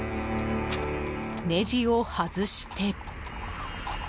ネジを外して。